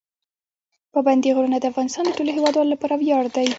پابندي غرونه د افغانستان د ټولو هیوادوالو لپاره ویاړ دی.